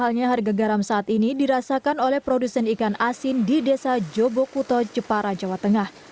mahalnya harga garam saat ini dirasakan oleh produsen ikan asin di desa jobokuto jepara jawa tengah